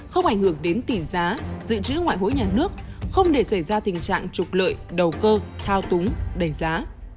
không ảnh hưởng đến tỷ giá dự trữ ngoại hối nhà nước không để xảy ra tình trạng trục lợi đầu cơ thao túng đẩy giá